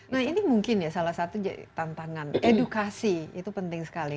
nah ini mungkin ya salah satu tantangan edukasi itu penting sekali